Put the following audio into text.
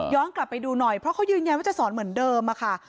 กลับไปดูหน่อยเพราะเขายืนยันว่าจะสอนเหมือนเดิมค่ะ